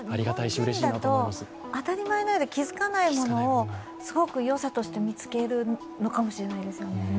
日本人だと当たり前のようで気付かないことを良さとして見つけるのかもしれないですよね。